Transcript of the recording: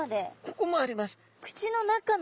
ここもあります。